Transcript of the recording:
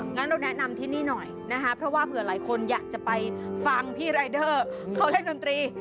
งั้นเราแนะนำที่นี่หน่อยนะคะเพราะว่าเผื่อหลายคนอยากจะไปฟังพี่รายเดอร์เขาเล่นดนตรี